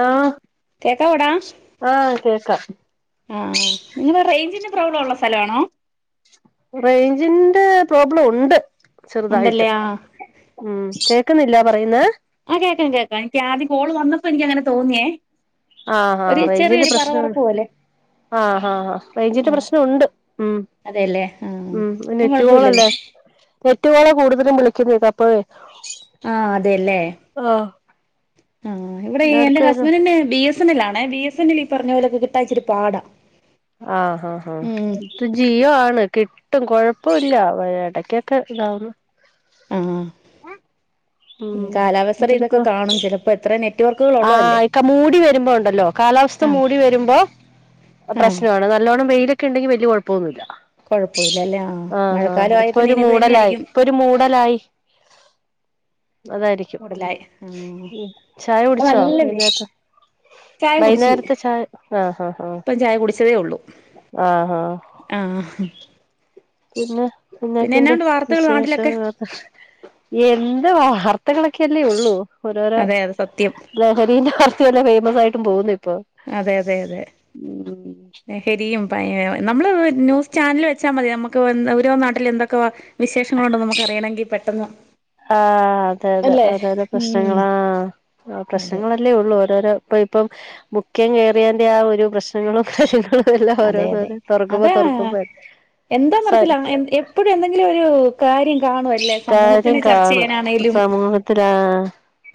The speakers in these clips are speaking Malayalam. ആ കേക്കാവോടാ ആ കേക്കാം ആഹ നിങ്ങ റേഞ്ചിന് പ്രോബ്ലം ഉള്ള സ്ഥല ആണോ റേഞ്ചിന്റെ പ്രോബ്ലം ഉണ്ട് ഉണ്ടല്ലേ ചെറുതായിട്ട് ആഹ് ഉം കേക്കുന്നില്ല പറയുന്ന ആഹ് കേക്കാം കേക്കാം എനിക്ക് ആദ്യ കോള് വന്നപ്പോ എനിക്ക് അങ്ങനെ തോന്നിയേ ആഹ് ഒരു ആഹ് റേഞ്ചിന്റെ ചെറിയൊരു പറവറപ്പ പ്രശ്നമാണ് പോല്ലെ ആഹ് ആഹ ആ കഴഞ്ഞിട്ട് പ്രശ്നംുണ്ട് ഉം അതെല്ലേ ആഹ് ഉം ഇപ്പം നെറ്റ കൊഴപ്പമില്ലല്ലോ കോോളല്ലേ തെറ്റപള കൂടുതലും വിളിക്കുന്നത് അപ്പ ആ അതെല്ലേ ആ ഇവിടെ എന്നാ എന്റെ എടുക്കുവായിരുന്നു ഹസ്ബൻഡെ ബി എസ് എ എൽ ആണ ബി എസ് എൽ ഈ പറഞ്ഞ പോലൊക്കെ കട്ടാച്ച ഒരു പാടാ ആഹാ ഹഹ ഉം അത് ജിയ ആണ് കിട്ടും കൊഴപ്പമല്ലടക്ക് ക്കക്ക ഗാവന്ന് ആ ഉ ഉ ഇക്ക കാണും ചിലപ്പോ എത്ര നെറ്റ്വർക്കുകൾ ആ ഉള്ളതല്ലേ ഇക്ക മൂടി വരുമ്പോ ഉണ്ടല്ലോ കാലാവസ്ഥ ആഹ് മൂടി വരുമ്പോ ആഹ് പ്രശ്നമാണ് നല്ല്ലോണം വെയിലൊക്കെ ഉണ്ടെങ്കിൽ വലിയ കുഴപ്പന്നുല്ല കൊഴപ്പമില്ലല്ലേ ആഹ് ആഹ ആഹ മഴക്കാലം ആയ ഇപ്പൊ പിന്നെ ഒരു ഇനി ഇത് തന്നെ മൂടലായി ആയിരിക്കും ഇപ്പൊ ഒരു മൂടലായി അതായിരിക്കും കൂടുതലായി ആഹ് ഉ ചായ ഇവിടെ കുടിച്ചോ നല്ല വൈകുന്നേരത്ത് ചായ കുടിച്ചു വൈകുന്നേരത്തെ ചായ ആ ആ ഇപ്പം ചായ കുടിച്ചതേ ഉള്ളൂ ആ ആ ആ ആഹ് പിന്നെ പിന്നെ പിന്നക്കിന്റെ എന്നാണ്ട് വാർത്തകൾ നാട്ടിലൊക്കെ വിശേഷങ്ങളൊക്കെ എന്ത് വാർ ത്തകളൊക്കെല്ലേ ഉള്ളൂ ഓരോരോ അതെ അത് സത്യം ലഹരിന്റെ വർത്തയല്ലാം ഫേമസ് ആയിട്ടും പോകുന്നേ അതെ അതെ അതെ ശരിയും പ നമ്മള് ന്യൂ ചാനല് വെച്ചാൽ മതി നമുക്ക് അവര് ഓരോ നാട്ടിൽ എന്തൊക്കെ വിശേഷങ്ങളുണ്ടോ നമുക്ക റിയണെങ്കിൽ പെട്ടെന്ന് ആഹ അതെ അതെ അല്ലേ അതെതെ ഉം പ്രശ്നങ്ങള ആ ആ അതെ പ്രശ്നങ്ങളല്ലേ ഉള്ളൂ ഓരോരോ ഇപ്പൊ ഇപ്പം മുഖ്യം കയറിയന്റെ ആ ഒരു പ്രശ് പ്രശ്നങ്ങ [unintelligible] എല്ലാം ഓരോന്നാണ് തുറക്കുമ്പോ തുറക്കുമ്പോ എന്ത് സ നിറത്തില എ എപ്പോഴും എന്തെങ്കിലും ഒരു കാര്യം കാണുവല്ലേ സമൂഹ ഇം കാണും സമൂഹത്തില് ആ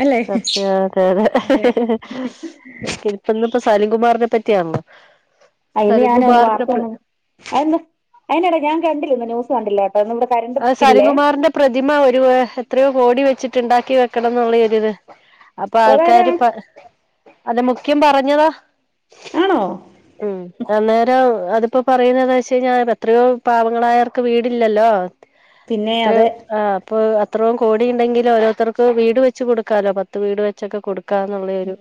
അല്ലെ ചർച്ചയാ തെ അതെ കിപ്പന്ന് സാലിംകുമാറിനെ പറ്റിയാന്നോ അ യ്ന് ഞാനൊന്ന് വാർത്ത ഒന്നാ അയിന്ട ഞാൻ കണ്ടില്ലന്ന് ന്യൂസ് കണ്ടില്ലന്നു സലിംകുമാറിന്റെ പ്രതിമ ഒരു എത്രയോ കോടി വെച്ചിട്ട് ണ്ടാക്കി വെക്കണം എന്നുള്ള അപ്പൊ ഓളാരാ ആൾക്കാര് പ അതിന് ക്യൂംപറഞ്ഞതാ ആണോ ഉ അന്നേരം അതിപ്പോ പറയുന്നത് ശരിയാ എത്രയോ പാവങ്ങളായർക്ക് വീടില്ലല്ലോ പിന്നെ അത്ര അതെ ആ അപ്പൊ അ ത്രോം കോടി ണ്ടെങ്കിൽ ഓരോരുത്തർക്ക് വീട് വച്ച് കൊടുക്കമല്ലോ പത്ത് വീട് വെച്ചൊക്കെ കൊട് ഉ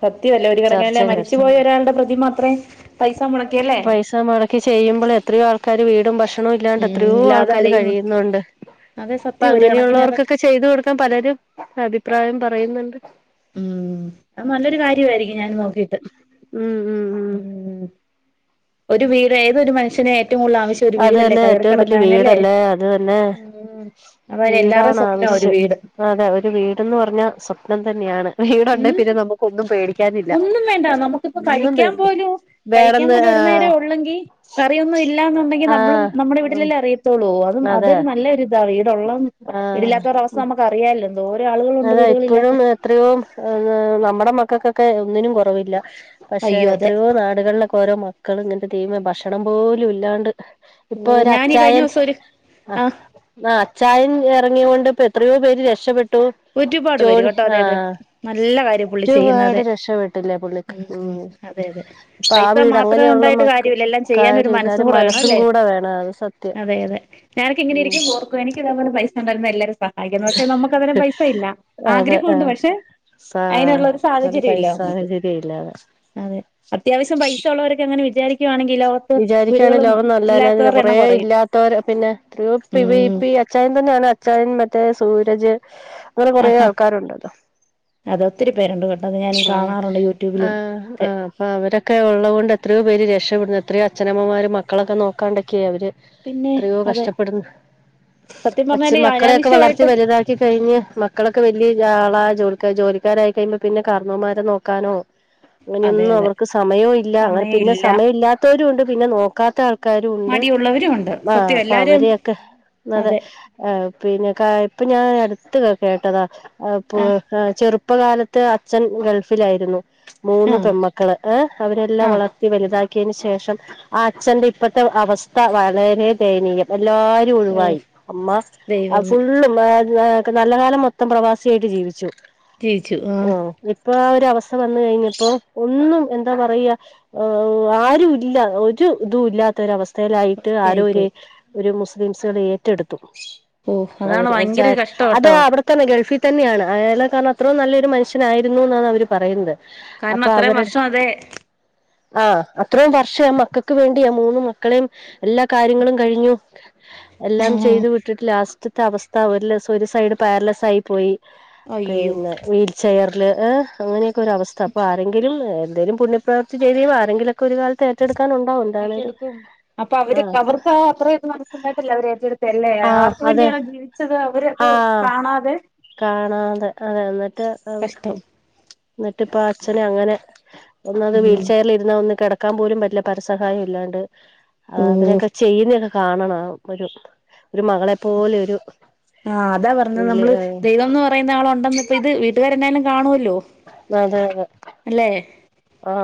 സത്യവല്ലേടീഒരുങ്ങേല്ലേ ചർച്ചയും കർ മരിച്ചു പോയ ഒരാളുടെ പ്രതിമഅത്ര പൈസ മുടക്കിയ പൈസ മുടക്കി ചെയ്യുമ്പോള് എത്രയോ ആൾക്കാര് വീടും ഭക്ഷണവും ഇല്ലാണ്ട് ഉം എത്രയോ ആൾ ഇല്ലാതെ ക്കാര് അലയുന്നു കഴിയുന്നുണ്ട് അതെ അപ്പൊ സത്യം ഒരു കണക്കിന് അതൊക്കെ അങ്ങനെയുള്ളവർക്കൊക്കെ ചെയ്തു കൊടുക്കാൻ പലരും അഭിപ്രായം പറയുന്നുണ്ട് ഉം അത് നല്ലൊരു കാര്യവായിരിക്കും ഞൻ നോക്കിട്ട് ഉം ഉം ഉം ഉംഒരു വീട് ഏതൊരു മനു ഷ്യന് ഏറ്റവും കൂടുതൽ ആവശ്യം ഒരു അത് വീടല്ലേ തന്നെ കയറി ഏറ്റവും വലിയ കിടക്കാനല്ലേ വീടല്ലേ അത് തന്നെ ഉം അ എല്ലാവ വീടാണ് ആവശ്യം അതെ ഒരു വീട്ന്ന് പറഞ്ഞാ സ പ്നം തന്നെയാണ് വീടുണ്ടേ ഉം പിന്നെ നമുക്ക് ഒന്നും പേടി ഒന്നും വേണ്ട നമുക്കിപ്പോ കഴിക്കാൻ പോലും കഴിക്കാൻ വേറെന്ന് പോലും ഒരു ആഹ് നേരം ഉള്ളെങ്കിൽ കറിയൊന്നും ഇല്ല ലാന്നുണ്ടെങ്കി നമ്മളും ആഹ് നമ്മുടെ ഉം വീട്ടിലെല്ലേ അറിയത്തോള്ളൂ അതും അതെ അതൊരു നല്ല ഇതാണ് വിടെള്ള വീടില്ലാത്ത ഒരസ്ഥ നമക്ക് അറിയാ അതാ ഇപ്പോഴും എത്രയോ നമ്മുടെ മക്കൾക്കൊക്കെ ഒന്നിനും കുറവില്ല പക്ഷെ അയ്യോ അതെ എത്രയോ നാടുകളിലൊക്കെ ഓരോ മക്കൾ ഇങ്ങത്തെ ടീമ് ഭക്ഷണം പോലും ഇല്ലാണ്ട് ഇപ്പൊ ഓ ഒരു ഞാനീ കഴിഞ്ഞ അച്ചായൻ ദിവസം ഒരു ആ ആഹ് ആ അച്ചായൻ ഇറങ്ങൊണ്ട് പ എത്രയോ പേര് രക്ഷപ്പെട്ടു ഒരുപാട് പേര് ജോണി കേട്ടോ അതെ അതെ ആഹ് നല്ല കാര്യം പുള്ളി ചെയ്യുന്നത് ഒരുപാട് രക്ഷപ്പെട്ടില്ലെ പുള്ളിക്ക് ഉം അതെ അതെ അപ്പൊ ആ പൈസ വീട് മാത്രം അങ്ങനെയുള്ള ഉണ്ടായിട്ട് മക്ക കാര്യമില്ല എല്ലാം ചെയ്യാൻ ഒരു കാര്യുല്ല അവരുടെ കൂടെ വേണം മനസ്സും അല്ലേ കൂടെ വേണം അ അതെ അതെഞനക്കെ ഇങ്ങനെരിക്കുഓർക്കും എനിക്ക ഇതുപോലെ പൈസ ഉണ്ടായിരുന്ന എല്ലാരും സഹായിക്കാം പക്ഷെ നമുക്ക് അതിനെ പൈസ ഇല്ല അതെ ആഗ്രഹമുണ്ട് ആഹ് പക്ഷെ സാ അതിനുള്ള ഒരു നല്ല സാഹചര്യം ഇല്ല പൈസ നമുക്ക് സാഹചര്യം ഇല്ലാതെ അതെ അത്യാവശ്യം പൈസ ഉള്ളവരൊക്കെ അങ്ങനെ വിചാരി വിചാരികാണ് ലോകം നല്ലെ ഇല്ലാത്തവരുടെ കൊറേ എണ്ണം കുറയും ഇല്ലാത്തവര് പിന്നെത്രയോ ഉം വിപ്പി അച്ച്ചായൻ തന്നെ ഞാന് അച്ചായൻ മറ്റേ സൂര്യ അങ്ങനെ കൊറെേ ആഹാ ആൾക്കാരുണ്ട് ല്ലോ അത് ഒത്തിരി പേരുണ്ട് കേട്ടോ അത് ഞാൻ ആ കാണാറുണ്ട് ആ യൂട്യൂബിലും ഒക്കെ ആ അപ്പൊ അവരൊക്കെ ഉള്ളൊണ്ട് എത്രയോ പേര് രക്ഷപ്പെട്ന്ന് എത്രയോ അച്ഛനമ്മമാര മക്കളൊക്കെ നോക്കാണ്ടൊക്കെ അവര് പിന്നെ എത്രയോ അതെ കഷ്ടപ്പെടുന്നു സത്യം അച്ഛൻ പറഞ്ഞാല് മക്കളെയൊക്കെ വളർത്തി അനാവശ്യമായിട്ട് വലുതാക്കി കഴിഞ്ഞ് മക്കളൊക്കെ വല്ല്യ ആളായി ജോലി ക്കെ ജോലിക്കാരായി കഴിയുമ്പ പിന്നെ കാർന്നൊന്മാരെ നോക്കാനോ അതെ അങ്ങനെയൊന്നും അതെ അവർക്ക് സമയോം ഇല്ല അങ്ങനെ, സമയം പിന്നെ ഇല്ല സമയം ഇല്ലാത്തവരുണ്ട് പിന്നെ നോക്കാത്ത ആൾ ക്കാരുണ്ട്. മടിയുള്ളവരും ഉണ്ട് ആ സത്യം അപ്പ എല്ലാരും അവരെയൊക്കെ, അതെ, ആ പിന്നെക്ക, ഇപ്പൊ ഞാൻ ട്ത്ത് കേട്ടതാ ആഹ് ചെറുപ്പകാലത്ത് അച്ഛൻ ഗൾഫിലായിരുന്നു മൂന്ന് ആഹ് പെമ്മക്കള് ഏ അവരേല്ലാം ആഹ് വളർത്തി വലുതാക്കിയേന് ശേ ശേഷം ആ അച്ഛന്റെ ഇപ്പഴത്തെ അവസ്ഥ വളരെ ദയനീയം അ എല്ലാരും ഓ ഒഴിവായി, അമ്മ അ ദൈവമേ ഫുള്ള് മ ആ നല്ല കാലം മൊത്തം പ്രവാസിയായിട്ട് ജീവിച്ചു ജീവിച്ചു ആഹ് ഉം ഇപ്പ രവസ്ഥ വന്ന് കഴിഞ്ഞപ്പോ ഒന്നും, എന്താ പറയാ ഉം ആരുവിൽ ഇല്ല ഒരു ഇതും ഇല്ലാത്ത ഒരവസ്ഥയിലായിട്ട് ആരോ അവസ്ഥയായി ഒരു പോയി ഒരു മുസ് മ്സ് അത് ഏറ്റെടുത്തു ഓ അതാണ് അവര് അത് ഭയങ്കര ചാരിറ്റി. കഷ്ടം അത് കേട്ടോ അവിടെത്തന്നെ ഗൾഫിൽ തന്നെയാണ് അയാള് കാരണം അത്രോം നല്ലയൊരു മനുഷ്യനായിരുന്നു എന്നാണ് അവര് പറയുന്നത്. കാരണം അത്രയും വർഷം അതെ ആ അത്രയും വർഷം ആ മക്കക്ക് വേണ്ടിയാ മൂന്നു മക്കളേം എല്ലാ കാര്യങ്ങളും കഴിഞ്ഞു. എല്ലാം ആഹ് ചെയ്ത് വിട്ടിട്ട് ലാസ്റ്റത്തെ അവസ്ഥ, ഒരു ദീസം ഒരു സൈഡ് പാരലൈസ് ആയി പോയി. അയ്യോ പിന്നെ വീൽചെയർ റില് അങ്ങനൊക്കെ ഒരവസ്ഥ അപ്പൊ ആരെങ്കിലും എന്തേലും പുണ്യപ്രവർത്തി ചെയ്താ ആരെങ്കിലൊക്കെ ഒരു കാലത്ത് ഏറ്റെടുക്കാനുണ്ടാവും എന്താണേലും ഏറ്റെടുക്കും, അപ്പൊ അവര് ആഹ് അവർക്ക് ആ അത്രേത് മനസ്സുണ്ടായിട്ടല്ലേ അവര് ഏറ്റെടുത്തെല്ലേ ആഹ് ആർക്കു അതെ വേണ്ടിയാണോ ജീവിച്ചത് അവരത് ആഹ് കാണാതെ കാണാതെ അതെ എന്നിട്ട് കഷ്ടം എന്നിട്ടിപ്പൊ അച്ഛനെ അങ്ങനെ ഒന്നാത് വീൽ ഉം ചെയറിൽ ഇരുന്നാ ഒന്ന് കിടക്കാൻ പോലും പറ്റില്ല പരസഹായം ഇല്ലാണ്ട്. ഓ അതിനൊക്കെ ചെയ്യുന്നെയൊക്കെ കാണണം ഒരു ഒരു മകളെപ്പോലെ ഒരു ആ അതാ പറഞ്ഞത് പുള്ളി നമ്മള് ദൈവം എന്ന് പറയുന്ന ആളൊണ്ടെന്ന് ഇപ്പ ഇത് വീട്ടുകാരെന്നായാലും കാണുവല്ലോ. ല്ലോ അല്ലേ? ആ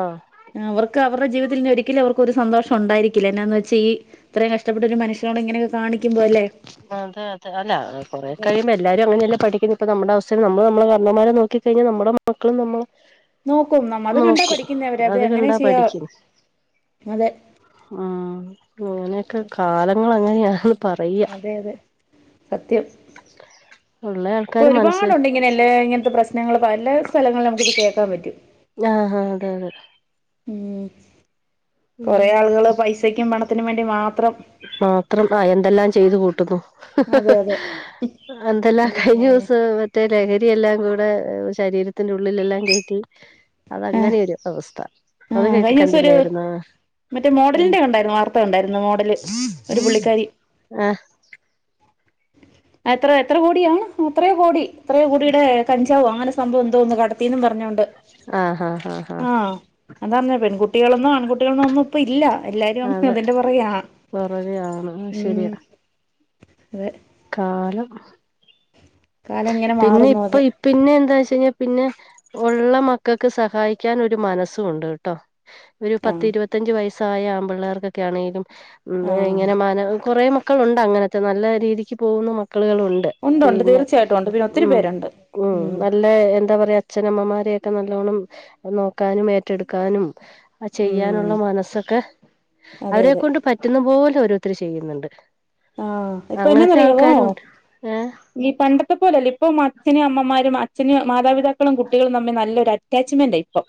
ക്കവരുടെ ജീവിതത്തിൽ ഇനി ഒരിക്കലും അവർക്ക് ഒരു സന്തോഷൊണ്ടായിരിക്കില്ല എന്നാന്ന് വെച്ചാ ഈ ഇത്രയും കഷ്ടപ്പെട്ട ഒരു മനഷ്യനോടിങ്ങനെ അതെ അതെ, അല്ല കൊറേ അതെ കഴിയുമ്പ എല്ലാരും അങ്ങനെയല്ലേ പഠിക്കുന്നെ ഇപ്പ നമ്മുടെ അവസ്ഥേൽ നമ്മള് നമ്മളെ കാർന്നോമ്മാരെ നോക്കി കഴിഞ്ഞാ നമ്മുടെ മക്കളും നമ്മളെ നോക്കും നമ്മ അത് കണ്ടാ നോക്കും, പഠിക്കുന്നേ അവര് അത് അങ്ങനെ കണ്ടാ ചെയ്യാ പഠിക്കുന്നെ. അതെ ഉം അങ്ങനെയൊക്കെ, കാലങ്ങളങ്ങനെയാണ്. അതെ അതെ സത്യം. ഉള്ള ഇപ്പ ആൾക്കാര് മനസ്സി ഒരുപാടുണ്ട് ഇങ്ങനെല്ലേ, ഇങ്ങനത്തെ പ്രശ്നങ്ങള് പല സ്ഥലങ്ങളിലും നമുക്ക് ഇത് കേക്കാൻ പറ്റും. ആ ആ അതെ അതെ. ഉം കൊറേ ഉം ആളുകള് പൈസക്കും പണത്തിനും വേണ്ടി മാത്രം മാത്രം ആ എന്തെല്ലാം ചെയ്തു കൂട്ടുന്നു. അതെ അതെ എന്തെല്ലാം, കഴിഞ്ഞ അതന്നെ ദിവസം മറ്റേ ല ലഹരി എല്ലാം കൂടെ ശരീരത്തിന്റെ ഉള്ളിലെല്ലാം കേറ്റി ആഹ് അതങ്ങനെയൊരു അവസ്ഥ. അത് ആഹ് കേട്ട് കഴിഞ്ഞ ദിവസം ഒരു കണ്ടില്ലായിരുന്നോ? മറ്റേ മോഡലിന്റെ കണ്ടായിരുന്നു വാർത്ത കണ്ടായിരുന്നു മോഡല് ഒരു പുള്ളിക്കാരി ആ എത്ര എത്ര കോടിയാണ്, എത്രയോ കോടി, എത്രയോ കോടിയടെ കഞ്ചാവൊ അങ്ങനെ സംഭവം എന്തോഒന്ന് കടത്തീന്നും പറഞ്ഞോണ്ട് ആഹ് ആഹ് ആഹ് ആഹ് ആ അതാന്നെ പ പെൺകുട്ടികളെന്നോ ആൺകുട്ടികളെന്നോ ഒന്നും ഇപ്പ ഇല്ല. എല്ലാരും അതെ അതിന്റെ പുറകെയാ, പുറകെ ആണ് ഉം ശരിയാ അതെ. കാലം, കാലം ഇങ്ങനെ പിന്നെ മാറുന്നു ഇപ്പ അതെ ഇപ്പിന്നെ എന്താന്ന്വെച്ചു കഴിഞ്ഞാ പിന്നെ ഒള്ള മക്കക്ക് സഹായിക്കാൻ ഒരു മനസ്സും ഒണ്ട് കെട്ടോ. ഒരു പത്ത് ആഹ് ഇരുപത്തഞ്ച് വയസ്സായ ആമ്പിള്ളാർക്കൊക്കെ ആണേലും ഉം ആഹ് ഇങ്ങനെ മന കൊറെ മക്കളുണ്ട് അങ്ങനത്തെ നല്ല രീതിക്ക് പോകുന്ന മ ക്കളുകവുണ്ട് ഉണ്ട് ഉണ്ട് പിന്നെ തീർച്ചയായിട്ടും ഉണ്ട് പിന്നെ ഒത്തിരി ഉം പേരുണ്ട് ഉം നല്ല എന്താ പറയാ അച്ഛനമ്മമാരെയൊക്കെ നല്ലോണ്ണം നോക്കാനും ഏറ്റെടുക്കാനും ആ ഉം ചെയ്യാനുള്ള മനസ്സൊക്കെ അതെ അവരെ അതെ കൊണ്ട് പറ്റുന്ന പോലൊരു ഒത്തിരി ചെയ്യുന്നുണ്ട് ആഹ് ഇപ്പൊ അങ്ങനത്തെ എന്നാന്നറിയാ മോ ആൾക്കാരും ഉണ്ട് ഏഹ് ഈ പണ്ടത്തെ പോലല്ല ഇപ്പൊ അച്ഛനും അമ്മമാരും അ ത്തിന് മാതാപിതാക്കളും കുട്ടികളും തമ്മി നല്ലൊരറ്റാ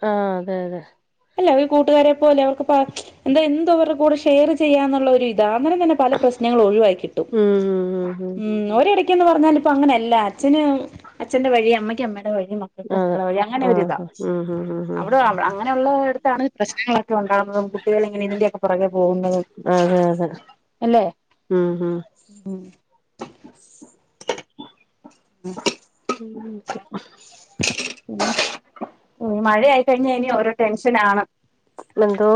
ആഹ് അതെ അതെ അല്ല ഒരു കൂട്ടുകാരെപ്പോലെ അവർക്ക്പ്പ എന്താ എന്തോ ർടെ കൂടെ ഷേയറ് ചെയ്യാന്നൊള്ള ഒരു ഇതാ അന്നരം തന്നെ പല പ്രശ് നങ്ങളും ഒഴിവായി കിട്ടും ഉം ഉം ഉം ഒരെടക് ക്കെന്ന് പറഞ്ഞാലിഇപ്പ അങ്ങനെയല്ല അച്ഛന് അച്ഛന്റെ വഴി അമ്മക്ക് അമ്മേടെ വഴി മക്കക്ക് അതെ മക്കള വഴി അങ്ങനെ ആഹ് ഒരിതാ ഉം ഉം ഉം ഉം അവിടെ അവ് അങ്ങനെയൊള്ള എട്ത്താണ് പ്രശ്നങ്ങളൊക്കെ ഒണ്ടാവുന്നതും കുട്ടികളിങ്ങനെ ഇതിന്റെയൊക്കെ പൊറകേ പോകുന്നതും ആ അതെഅതേ അല്ലെ ഊംഊം ന്ക്ക മഴ ആയിക്കഴിഞ്ഞാ ഇനി ഓരോ ടെൻഷനാണ് എന്തോ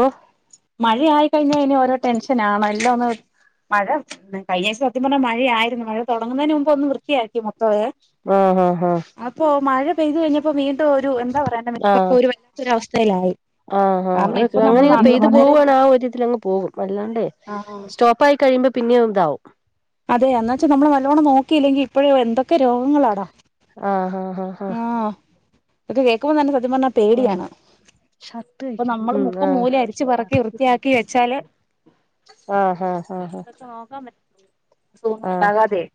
മഴ ആയി കഴിഞ്ഞാ ഇനി ഓരോ ടെൻഷൻ ആണ് എല്ലാ ഒന്ന് മഴ കഴിഞ്ഞയാഴ്ച സത്യം പറഞ്ഞാ മഴയാരുന്നു മഴ തൊടങ്ങുന്നതിന് മുമ്പ് ഒന്ന് വൃത്തിയാക്കി മൊത് ആഹ് ആ അപ്പൊ മഴ പെയ്തു കഴിഞ്ഞപ്പോ വീണ്ടും ഒരു എന്താ പറയണ്ടേ മിറ്റ് [unintelligible] രുഅവസ്ഥ ആ ആ അത് അങ്ങനെയങ്ങ് പെയ്ത് വളരെ പോവാ പ്ലേആഒരിതിലങ്ങ് പോകും അല്ലാണ്ടേ ആ സ്റ്റോപ്പായി കഴിയുമ്പോ പിന്നേം ഇതാവും അതെ അന്ന്വച്ചാ നമ്മള് നല്ലോണം നോക്കിയില്ലെങ്കി ഇപ്പഴേ എന്തൊക്കെ രോഗങ്ങളാടാ ആഹ് ആഹ് ആഹ് ആ ഇക്കെ കേൾക്കുമ്പോ തന്നെ സത്യം പർഞ്ഞാ ആഹ് പേടിയാണ് ഷർട്ട് അപ്പൊ തയ്ക്കണം നമ്മള് ഉം മുക്കും മൂലേം അരിച്ചു പറക്കി വൃത്തിയാക്കി വെച്ചാല് ആഹ് ആഹ് ആഹ് ആഹ് ഇതൊക്കെ നോക്കാമ്പറ്റ് ആഹ് അസൂഖൊന്നുണ്ടാകാതെയേ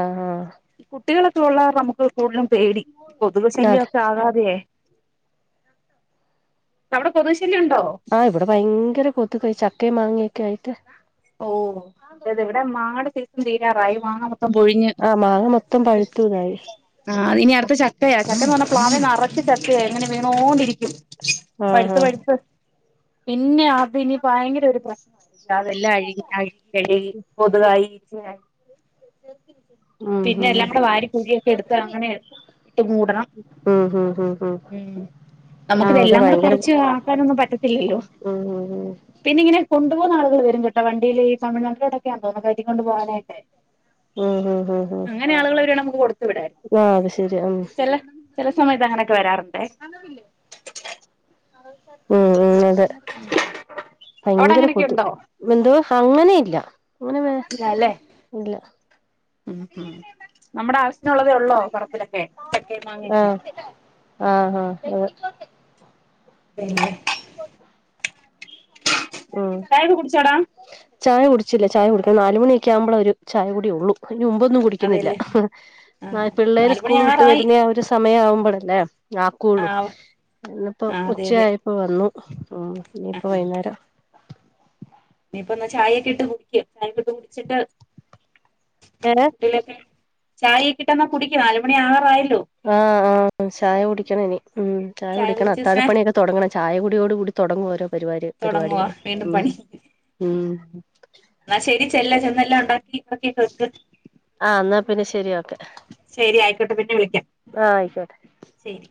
ആഹ് ആഹ് ഈ കു കുട്ടികളൊക്കെ ഒള്ളകാർണം നമുക്ക് കൂടുതലും പേടി അതെ കൊതുകുശല്ല്യൊക്കെ ആകാതെയേ ട്ടവിടെ കൊതുകുശ ആ ഇവിടെ ഭയങ്കര കൊതുകാ ഈ ചക്കയും മാങ്ങൊക്കെ ആയിട്ട് ഓ അതേതെ ഇവിടെ മാങ്ങാടെ സീസൺ തീരാറായി മാങ്ങാമൊത് ആ മാങ്ങ മൊത്തം പഴുത്തുതായി ആ ഇനി അടുത്ത ചക്കയാ ചക്കേന്നു പറഞ്ഞാ പ്ലാവേ നറച്ച് ചക് ക്കയാ ഇങ്ങനെ വീണോണ്ടിരിക്കും ആഹ് പഴുത്ത് ആഹ് പഴുത്ത് പിന്നെ അ അപ്പൊ ഇനി ഭയങ്കര ഒരു പ്രശ്ന [unintelligible] അതെല്ലാം അഴുകി അഴുകി അഴുകി കൊതുകായി ഈച്ചയായി ഉം പിന്നെ ഉം എല്ലാംകൂടെ വാരി കുഴിയൊക്കെ എടുത്ത് അങ്ങനെയാ ഇട്ട് മൂടണം ഉം ഉം ഉം ഉം ആഹ് അതെ നമുക്കിതെല്ലാം കൂടെ ഭയങ്കര പറിച്ച് ആക്കാനൊന്നും പറ്റത്തില്ലല്ലോ ഉം ഉം പിന്നെ ഇങ്ങനെ കൊ ണ്ടുപോന്ന ആളുകള് വരും കേട്ടോ വണ്ടീല് ഈ തമിഴ്നാട്ടിലോട്ടൊക്കമ്യ തോന്നന്ന് കയറ്റിക്കൊണ്ട് പോകാനായിട്ട് മ് മ് അങ്ങനെ ആളുകള് വരുവാണെ നമുക്ക് കൊടു ത്തുവിടാര് ആഹ് അത് ശരി ഉം ചെല ചെല സമയത്ത് അങ്ങനൊക്കെ വരാറൊണ്ടേ ഉം ഉം അതെ അവിടെ ഭയ്ങ്കര അങ്ങനെയൊക്കെ കൊതു ഉണ്ടോ മെന്തോ അങ്ങനെയില്ല ഇല്ലാല്ലേ ഉം ഉം നമ്മുടെ അശിനുള്ളതേ ഉള്ളോറ ൊക്കെ ചക്ക മാങ്ങിയക്കെ ആഹ് ആഹ് ആഹ് അതെ അതല്ലെ ഉം കയവ കുടിച്ചോടാ ചായ കുടിച്ചില്ല ചായ കുടിക്കണം നാലുമണി ഒക്കെ ആവുമ്പോേ ഒരു ചായ കൂടി ഉള്ളൂ ഇ മുമ്പൊന്നും കുടിക്കുന്നില്ല അതെല്ലേ ആ ആഹ് പിള്ളേര് നാലുമണി സ്കൂൾ വിട്ട് ആറായി വരുന്ന ആ ഒരു സമയം ആവുമ്പോഴല്ലേ ആക്കുള്ളൂ ആഹ് എന്നപ്പ ആഹ് അതെ അതെ ഉച്ചയായപ്പോ വന്നു ഉം ഇനിയിപ്പ വൈകുന്നേരം ഇയിപ്പ എന്നാ ചായയൊക്കെ ഇട്ട് കുടിക്ക ചായക്ക ഇട്ട് കുടിച്ചിട്ട് ഏഹ് കുട്ടികളൊക്കെ ചായക്കിട്ട എന്നാ കുടിക്ക നാലുമണി ആകാറായില്ല ആ ആ ചായ കുടിക്കണനി ഉം് ചായ കുടിക്കണം കുടിച്ച് അത്തായ സ്നേ പ്പണിയൊക്കെ തുടങ്ങണം ചായ കുടിയോട് കൂടി തുടങ്ങുവരോ തുടങ്ങുവ വീണ്ടും പണി ഉം എന്നാ ശരി ചെല്ല ചെന്നെല്ലാം ഉണ്ട ക്ക [unintelligible] ആ എന്നാ പിന്നെ ശരി ക്കെ ശരി ആയിക്കോട്ടെ പിന്നെ വിളിക്കാം ആ ആയിക്കോട്ടെ ശരി